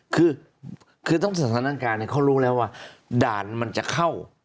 คือทั้งสถานการณ์เขารู้แล้วว่าด่านมันจะเข้า